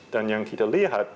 dan yang kita lihat